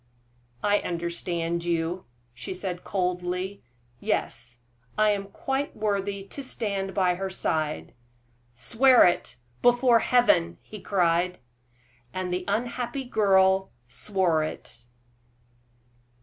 "I understand you," she said, coldly. "Yes, I am quite worthy to stand by her side." "Swear it, before Heaven!" he cried. And the unhappy girl swore it!